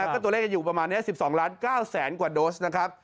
ก็ตัวเลขจะอยู่ประมาณนี้๑๒ล้าน๙แสนกว่าโดสนะครับ